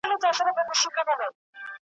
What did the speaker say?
زنګوله که نه وي ټوله کار ورانېږي .